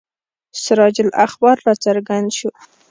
سراج الاخبار را څرګند شو.